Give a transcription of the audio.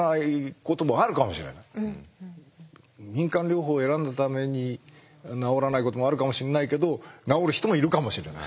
民間療法を選んだために治らないこともあるかもしんないけど治る人もいるかもしれない。